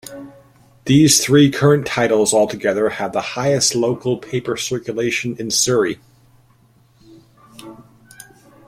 These three current titles, altogether, have the highest local paper circulation in Surrey.